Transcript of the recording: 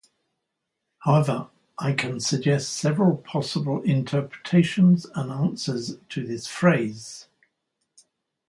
However, I can suggest several possible interpretations and answers to this phrase.